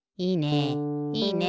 いいね！